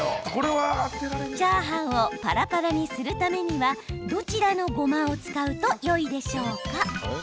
チャーハンをパラパラにするためには、どちらのごまを使うといいでしょうか？